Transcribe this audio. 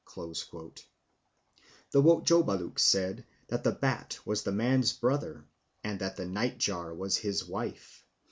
The Wotjobaluk said that the bat was the man's "brother" and that the nightjar was his "wife."